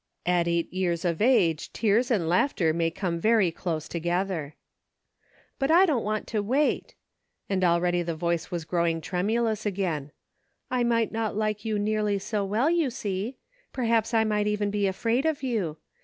At eight years of age tears and laughter may come very close together. " But 1 don't want to wait ;" and already the voice was growing tremulous again. " I might not like you nearly so well, you see. Perhaps I might even be afraid of you.